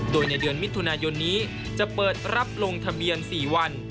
โดยในเดือนมิถุนายนนี้จะเปิดรับลงทะเบียน๔วัน